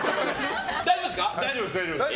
大丈夫です。